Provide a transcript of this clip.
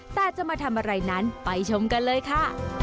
แต่จะมาทำอะไรนั้นไปชมกันเลยค่ะ